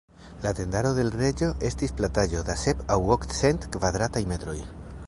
La tendaro de l' Reĝo estis plataĵo da sep- aŭ ok-cent kvadrataj metroj.